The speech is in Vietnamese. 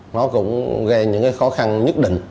nó cũng gây những khó khăn nhất định